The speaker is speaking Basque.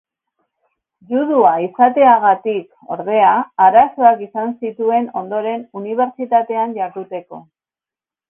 Judua izateagatik, ordea, arazoak izan zituen ondoren unibertsitatean jarduteko.